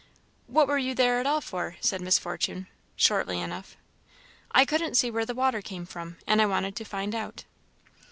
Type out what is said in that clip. "What were you there at all for?" said Miss Fortune, shortly enough. "I couldn't see where the water came from, and I wanted to find out."